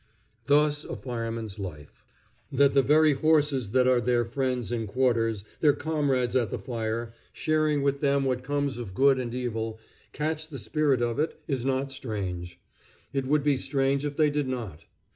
Thus a fireman's life. That the very horses that are their friends in quarters, their comrades at the fire, sharing with them what comes of good and evil, catch the spirit of it, is not strange. It would be strange if they did not.